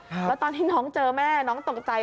แล้วตอนที่น้องเจอแม่น้องตกใจ